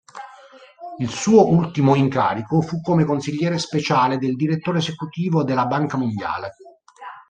Il suo ultimo incarico fu come consigliere speciale del direttore esecutivo della Banca Mondiale.